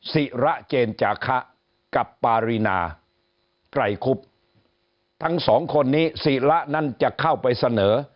ศิระเจนจาคะกับปารีนาไกรคุบทั้งสองคนนี้ศิระนั้นจะเข้าไปเสนอ